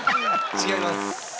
違います。